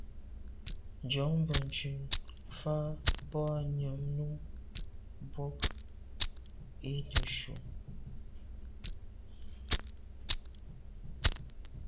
Njon benntùn fa boa nyàm num mbwôg i neshu.